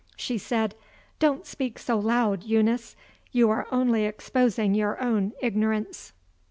She said: "Don't speak so loud, Eunice; you are only exposing your own ignorance."